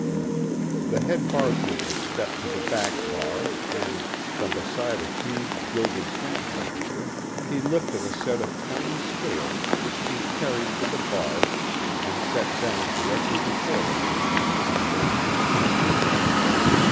The head bartender stepped to the back bar and, from beside a huge gilded cash register, he lifted a set of tiny scales which he carried to the bar and set down directly before the man with the sun burned mustache.